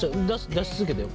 出し続けてよ。